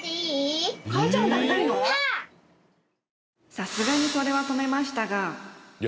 さすがにそれは止めましたが。